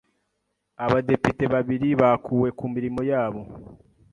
Abadepite babiri bakuwe ku mirimo yabo.